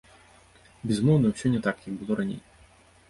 Безумоўна, усё не так, як было раней.